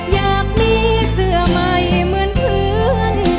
อยากมีเสื้อใหม่เหมือนเพื่อน